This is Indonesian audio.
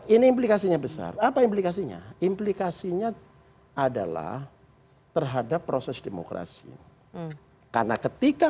ini implikasinya besar apa implikasinya implikasinya adalah terhadap proses demokrasi karena ketika